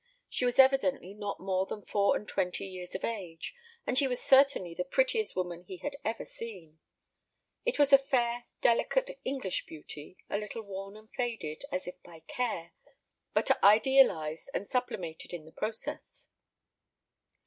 She was evidently not more than four and twenty years of age, and she was certainly the prettiest woman he had ever seen. It was a fair delicate English beauty, a little worn and faded, as if by care, but idealized and sublimated in the process.